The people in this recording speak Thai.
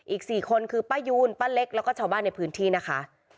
อีก๔คนคือป้ายูนป้าเล็กแล้วก็ชาวบ้านในพื้นที่นะคะ